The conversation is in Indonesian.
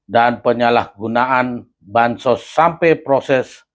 dan penyalahgunaan bansos sampai proses